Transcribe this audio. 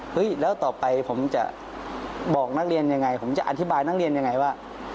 แล้วต่อไปผมจะบอกนักเรียนยังไงผมจะอธิบายนักเรียนยังไงว่า